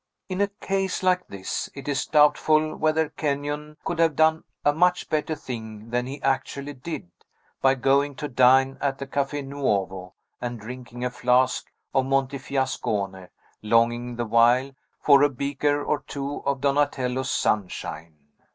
In a case like this, it is doubtful whether Kenyon could have done a much better thing than he actually did, by going to dine at the Cafe Nuovo, and drinking a flask of Montefiascone; longing, the while, for a beaker or two of Donatello's Sunshine.